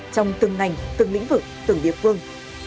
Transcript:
trong từng ngành từng lĩnh vực từng địa phương